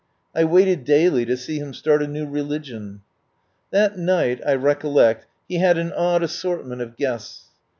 I waited daily to see him start a new religion. That night, I recollect, he had an odd as sortment of guests.